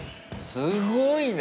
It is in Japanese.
すごいな！